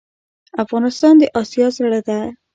افغانستان دي اسيا زړه ده